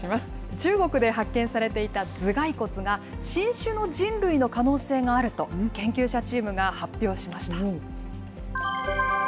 中国で発見されていた頭蓋骨が、新種の人類の可能性があると研究者チームが発表しました。